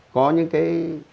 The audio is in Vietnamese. có những cái